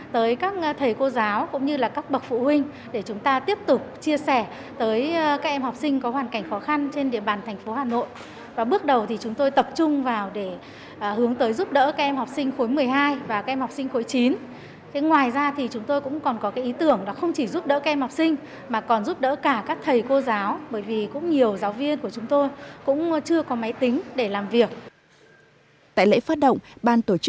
tại lễ phát động ban tổ chức trao đợt một với năm mươi hai máy tính